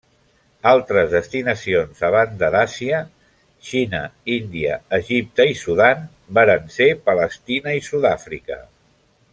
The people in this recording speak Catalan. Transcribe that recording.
Altres destinacions, a banda d'Àsia, Xina, Índia, Egipte i Sudan, varen ser Palestina i Sud-àfrica.